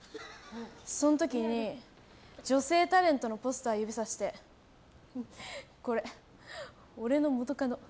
その時に、女性タレントのポスター指さしてこれ、俺の元カノ。